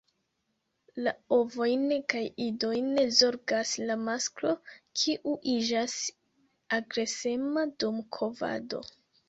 La ovojn kaj idojn zorgas la masklo, kiu iĝas agresema dum kovado.